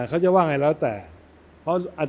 เขาว่านั่งไงฮะ